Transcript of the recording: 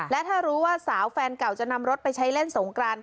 และถ้ารู้ว่าสาวแฟนเก่าจะนำรถไปใช้เล่นสงกราน